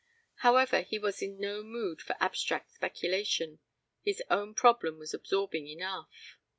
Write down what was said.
However, he was in no mood for abstract speculation. His own problem was absorbing enough.